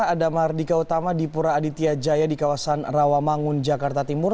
ada mardika utama di pura aditya jaya di kawasan rawamangun jakarta timur